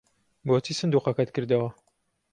بۆچی سندووقەکەت کردەوە؟